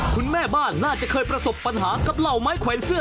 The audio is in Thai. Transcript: คุณแม่บ้านน่าจะเคยประสบปัญหากับเหล่าไม้แขวนเสื้อ